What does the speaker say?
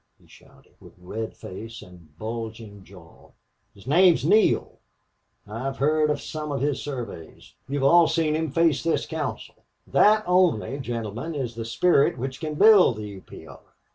he shouted, with red face and bulging jaw. "His name's Neale. I've heard of some of his surveys. You've all seen him face this council. That only, gentlemen, is the spirit which can build the U. P. R.